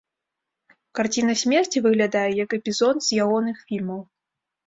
Карціна смерці выглядае як эпізод з ягоных фільмаў.